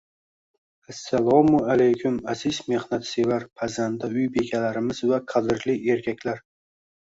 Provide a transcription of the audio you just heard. Assalomu alaykum aziz mehnatsevar, pazanda uy bekalarimiz va qadrli erkaklar.